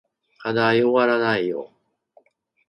課題おわらないよ